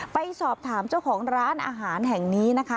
ไปสอบถามเจ้าของร้านอาหารแห่งนี้นะคะ